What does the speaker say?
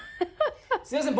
すいません